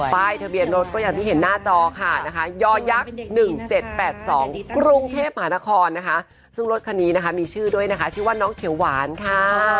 ป้ายทะเบียนรถก็อย่างที่เห็นหน้าจอค่ะนะคะยอยักษ์๑๗๘๒กรุงเทพมหานครนะคะซึ่งรถคันนี้นะคะมีชื่อด้วยนะคะชื่อว่าน้องเขียวหวานค่ะ